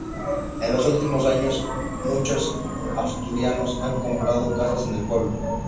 En los últimos años muchos asturianos han comprado casas en el pueblo.